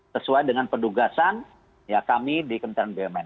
sesuai dengan perugasan ya kami di kementerian bumn